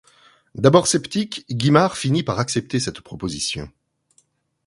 D'abord sceptique, Guimard finit par accepter cette proposition.